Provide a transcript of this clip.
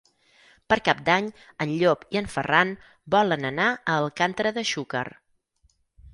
Per Cap d'Any en Llop i en Ferran volen anar a Alcàntera de Xúquer.